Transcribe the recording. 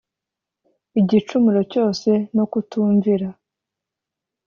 igicumuro cyose no kutumvira